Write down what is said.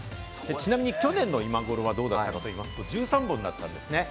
ちなみに去年の今頃はどうだったかといいますと、１３本だったんですね。